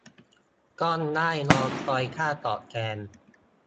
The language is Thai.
ต้องได้รอคอยค่าตอบแทน